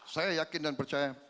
saya yakin dan percaya